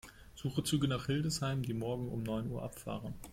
Suche Züge nach Hildesheim, die morgen um neun Uhr abfahren.